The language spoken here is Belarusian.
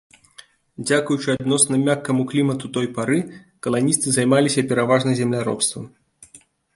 Дзякуючы адносна мяккаму клімату той пары, каланісты займаліся пераважна земляробствам.